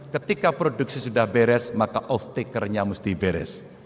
ketika produksi sudah beres maka off takernya mesti beres